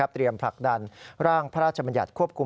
เตรียมผลักดันร่างพระราชมะยัตริ์ควบคุม